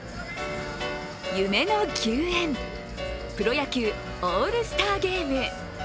夢の球宴、プロ野球オールスターゲーム。